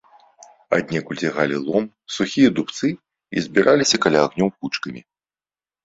Аднекуль цягалі лом, сухія дубцы і збіраліся каля агнёў кучкамі.